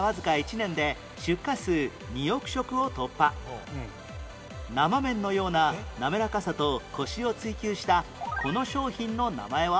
平成２４年生麺のような滑らかさとコシを追求したこの商品の名前は？